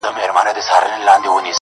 او نسلونه يې يادوي تل تل،